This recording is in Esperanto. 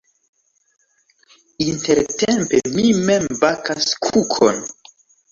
Intertempe mi mem bakas kukon.